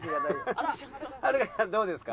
どうですか？